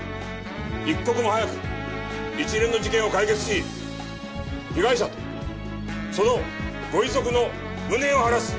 一刻も早く一連の事件を解決し被害者とそのご遺族の無念を晴らす。